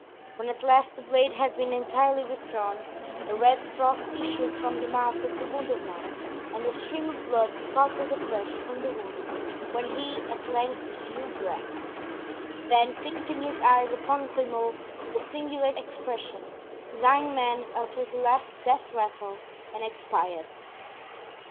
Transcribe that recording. When at last the blade had been entirely withdrawn, a red froth issued from the mouth of the wounded man and a stream of blood spouted afresh from the wound when he at length drew breath; then, fixing his eyes upon Grimaud with a singular expression, the dying man uttered the last death rattle and expired.